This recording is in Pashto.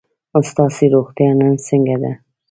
ستاسو روغتیا نن څنګه ده؟